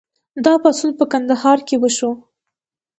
دا پاڅون په کندهار کې وشو.